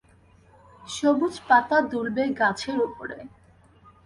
সবুজ পাতা দুলবে গাছের উপরে।